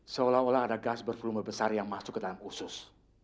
seolah olah ada gas berflume besar yang masuk ke dalam usus